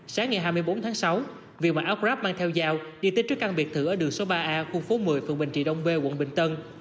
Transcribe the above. sáng ngày hai mươi bốn tháng sáu việc mà áo grab mang theo dao đi tới trước căn biệt thử ở đường số ba a khu phố một mươi phường bình trị đông b quận bình tân